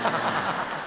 ハハハハ！